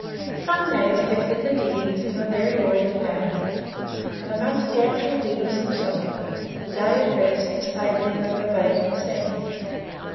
Sunday is kept at the diggings in a very orderly manner; and among the actual diggers themselves, the day of rest is taken in a VERBATIM sense.